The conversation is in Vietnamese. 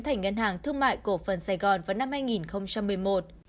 thành ngân hàng thương mại cổ phần sài gòn vào năm hai nghìn một mươi một